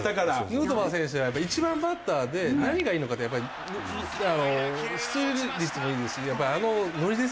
ヌートバー選手は１番バッターで何がいいのかってやっぱり出塁率もいいですしやっぱりあのノリですよね。